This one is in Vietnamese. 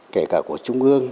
kể cả của trung ương